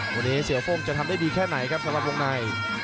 วันนี้เสือโฟ่งจะทำได้ดีแค่ไหนครับสำหรับวงใน